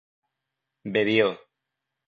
bebió